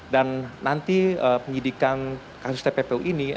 dan nanti penyidikan kasus tppu ini